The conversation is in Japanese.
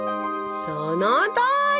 そのとおり！